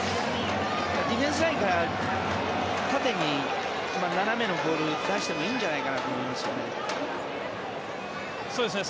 ディフェンスラインから縦に斜めのボールを出してもいいんじゃないかなと思いますけどね。